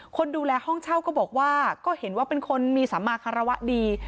คนดูแลห้องเช่าก็บอกว่าก็เห็นว่าเป็นคนมีสัมมาคารวะดี